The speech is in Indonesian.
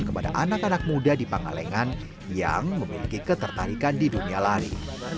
kepada anak anak muda di pangalengan yang memiliki ketertarikan di dunia lari